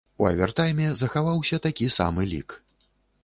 У авертайме захаваўся такі самы лік.